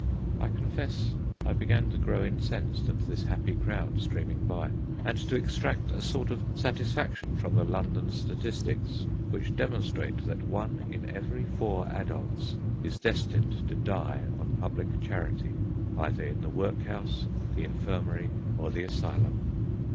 I confess I began to grow incensed at this happy crowd streaming by, and to extract a sort of satisfaction from the London statistics which demonstrate that one in every four adults is destined to die on public charity, either in the workhouse, the infirmary, or the asylum.